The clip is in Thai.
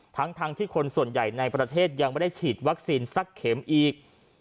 ทั้งที่คนส่วนใหญ่ในประเทศยังไม่ได้ฉีดวัคซีนสักเข็มอีก